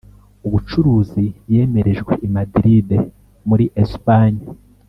Ubucuruzi yemerejwe i Madrid muri Espagne